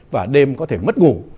và đêm có thể mất ngủ